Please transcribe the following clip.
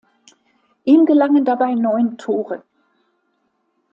Ihm gelangen dabei neun Tore.